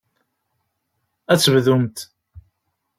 Ad tebdumt.